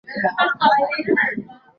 mbinu yake ilimsaidia kuokoa maisha yake